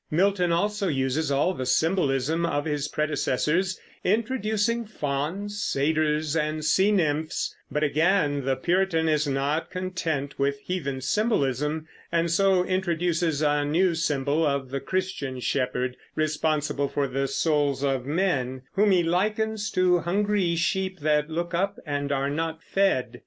Milton also uses all the symbolism of his predecessors, introducing fauns, satyrs, and sea nymphs; but again the Puritan is not content with heathen symbolism, and so introduces a new symbol of the Christian shepherd responsible for the souls of men, whom he likens to hungry sheep that look up and are not fed.